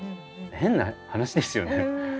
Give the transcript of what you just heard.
変な話ですよね。